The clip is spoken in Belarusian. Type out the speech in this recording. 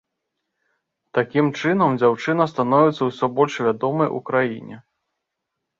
Такім чынам дзяўчына становіцца ўсё больш вядомай у краіне.